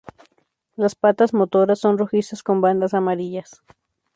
Las patas motoras son rojizas con bandas amarillas.